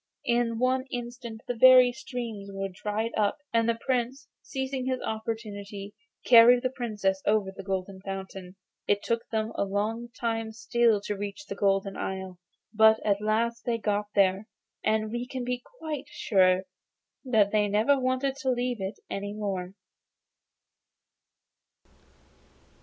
In one instant the very streams were dried up, and the Prince, seizing his opportunity, carried the Princess over the Golden Fountain. It took them a long time still to reach the Golden Isle, but at last they got there, and we may be quite sure they never wanted to leave it any more.